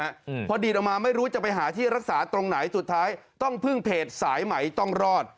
อืมพอดีดออกมาไม่รู้จะไปหาที่รักษาตรงไหนสุดท้ายต้องพึ่งเพจสายไหมต้องรอด